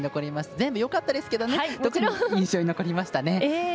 全部よかったですけどとても印象に残りましたね。